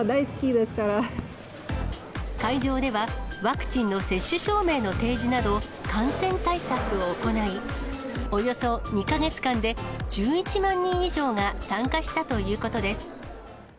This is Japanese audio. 会場では、ワクチンの接種証明の提示など、感染対策を行い、およそ２か月間で１１万人以上が参加したということです。